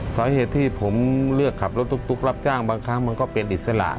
สาเหตุที่ผมเลือกขับรถตุ๊กรับจ้างบางครั้งมันก็เป็นอิสระ